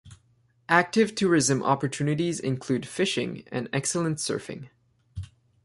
Active tourism opportunities include fishing and excellent surfing.